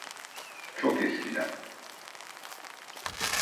Çok eskiden.